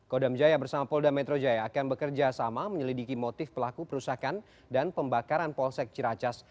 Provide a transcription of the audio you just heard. kodam jaya bersama polda metro jaya akan bekerja sama menyelidiki motif pelaku perusakan dan pembakaran polsek ciracas